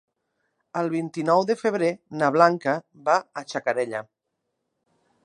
El vint-i-nou de febrer na Blanca va a Xacarella.